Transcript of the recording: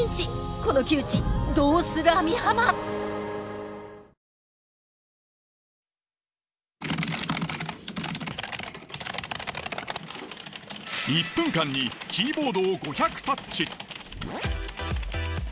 この窮地１分間にキーボードを５００タッチ。